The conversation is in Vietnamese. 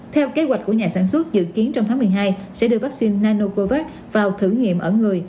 theo kế hoạch của nhà sản xuất dự kiến trong tháng một mươi hai sẽ đưa vaccine nanocovax vào thử nghiệm ở người